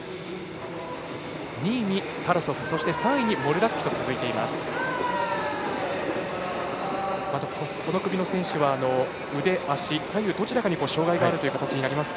２位にタラソフ３位にモルラッキと続いています。